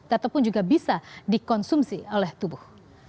ataupun juga bisa dikonsumsi oleh tubuh